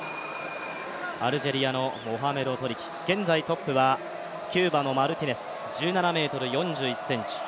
アルジェリアのモハメド・トリキ現在トップはキューバのマルティネス、１７ｍ４１ｃｍ。